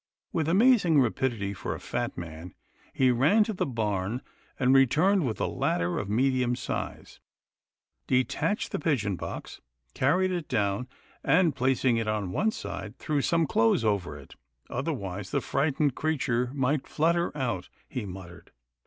With amazing rapidity for a fat man, he ran to the barn, and returned with a ladder of medium size. Placing it against the wall of the house, he hurried up, detached the pigeon box, carried it down, and, placing it on one side, threw some clothes over it. " Otherwise, the frightened crea tures might flutter out," he muttered.